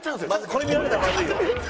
「これ見られたらまずいよ」